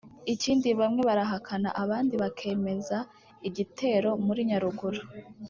Ikindi bamwe barahakana abandi bakemeza i gitero muri Nyaruguru